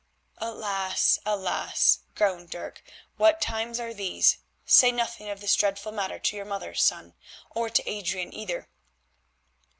"Alas! alas!" groaned Dirk, "what times are these. Say nothing of this dreadful matter to your mother, son, or to Adrian either."